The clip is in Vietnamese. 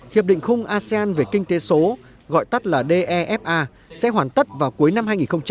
hiệp định khung asean về kinh tế số gọi tắt là defa sẽ hoàn tất vào cuối năm hai nghìn hai mươi năm